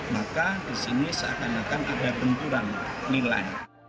maka di sini seakan akan ada benturan nilai